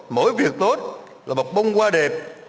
mỗi việc tốt là một bông hoa đẹp